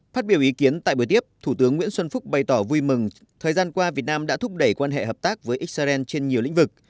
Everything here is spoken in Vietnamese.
phát biểu ý kiến tại buổi tiếp thủ tướng nguyễn xuân phúc bày tỏ vui mừng thời gian qua việt nam đã thúc đẩy quan hệ hợp tác với israel trên nhiều lĩnh vực